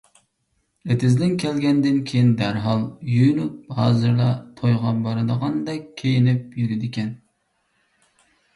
ئېتىزدىن كەلگەندىن كېيىن دەرھال يۇيۇنۇپ، ھازىرلا تويغا بارىدىغاندەك كىيىنىپ يۈرىدىكەن.